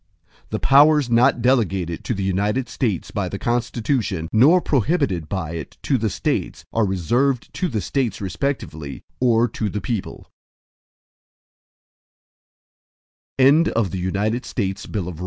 X The powers not delegated to the United States by the Constitution, nor prohibited by it to the States, are reserved to the States respectively, or to the people.